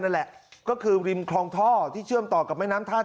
นั่นแหละก็คือริมคลองท่อที่เชื่อมต่อกับแม่น้ำท่า